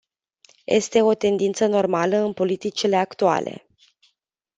Este o tendință normală în politicile actuale.